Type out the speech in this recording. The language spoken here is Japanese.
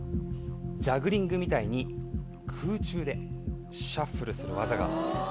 ジャグリングみたいに空中でシャッフルする技があったりします。